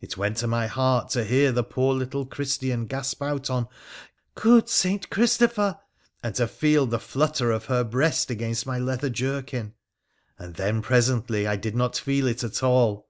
It went to my heart to hear the poor little Christian gasp out on ' Good St. Christopher !' and to feel the flutter of her breast against my leather jerkin, and then presently I did not feel it at all.